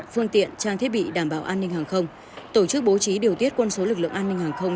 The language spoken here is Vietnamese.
phương tiện trang thiết bị đảm bảo an ninh hàng không tổ chức bố trí điều tiết quân số lực lượng an ninh hàng không